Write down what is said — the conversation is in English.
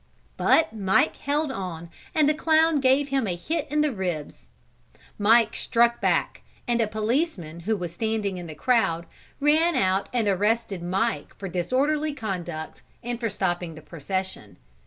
But Mike held on and the clown gave him a hit in the ribs. Mike struck back and a policeman, who was standing in the crowd, ran out and arrested Mike for disorderly conduct and for stopping the procession.